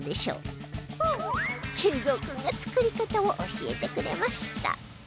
敬蔵君が作り方を教えてくれました